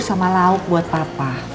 sama lauk buat papa